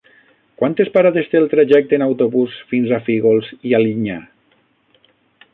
Quantes parades té el trajecte en autobús fins a Fígols i Alinyà?